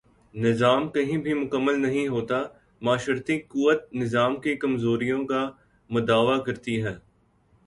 نظام کہیں بھی مکمل نہیں ہوتا معاشرتی قوت نظام کی کمزوریوں کا مداوا کرتی ہے۔